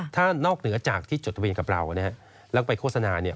ถ้านอกเหนือจากที่จดทะเบียนกับเรานะฮะแล้วก็ไปโฆษณาเนี่ย